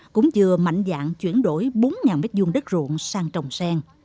cũng vừa mạnh dạng chuyển đổi bốn m hai đất ruộng sang trồng sen